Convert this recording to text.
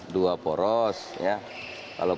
dua poros ya kalau